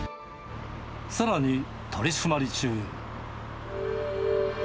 さらに取締り中。